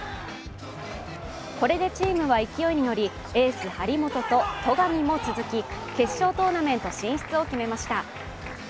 これでチームは勢いに乗り、エース・張本と戸上も続き、決勝トーナメント進出を決めました。